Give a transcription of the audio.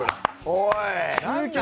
おい！